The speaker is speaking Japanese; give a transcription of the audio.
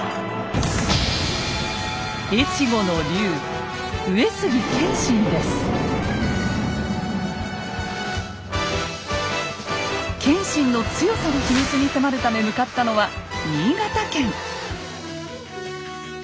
越後の龍謙信の強さの秘密に迫るため向かったのは新潟県。